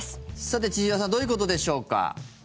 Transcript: さて、千々岩さんどういうことでしょうか？